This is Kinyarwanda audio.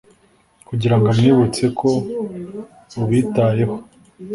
kugirango amw'ibutse ko ubitayeho